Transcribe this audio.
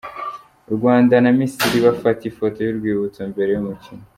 U Rwanda na Misiri bafata ifoto y'urwibutso mbere y'umukino